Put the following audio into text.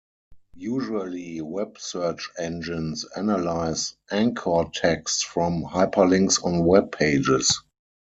Usually, web search engines analyze anchor text from hyperlinks on web pages.